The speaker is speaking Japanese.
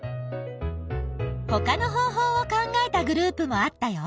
ほかの方法を考えたグループもあったよ。